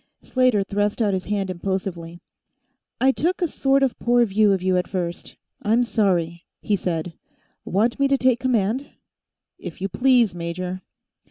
Slater thrust out his hand impulsively. "I took a sort of poor view of you, at first. I'm sorry," he said. "Want me to take command?" "If you please, major."